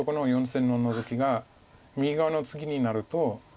４線のノゾキが右側のツギになると。